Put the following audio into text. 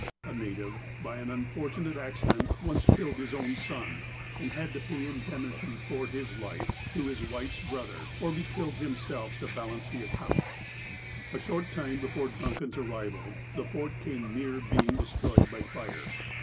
A native, by an unfortunate accident, once killed his own son, and had to pay indem nity for his life to his wife's brother, or be killed, himself to balance the account. A short time before Duncan's arrival the Fort came near being destroyed by fire.